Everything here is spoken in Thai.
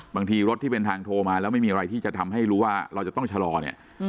บางทีรถที่เป็นทางโทรมาแล้วไม่มีอะไรที่จะทำให้รู้ว่าเราจะต้องชะลอเนี่ย